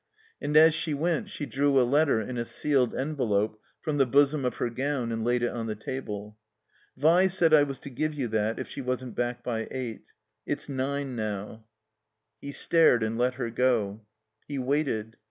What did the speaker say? And as she went she drew a letter in a sealed envelope from the bosom of her gown and laid it on the table. "Vi said I was to give you that if she wasn't back by eight. It's nine now." He stared and let her go. He waited.